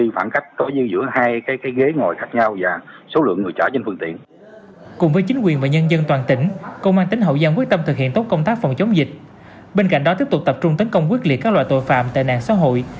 bên cạnh đó tiếp tục tập trung tấn công quyết liệt các loại tội phạm tệ nạn xã hội